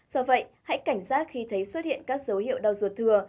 do vậy hãy cảnh giác khi thấy xuất hiện các dấu hiệu đau ruột thừa